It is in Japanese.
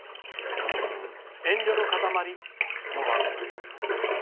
遠慮のかたまりもあるそうです。